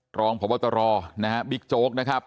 กล้องพบวัตรรอบิ๊กโจ๊กนะครับ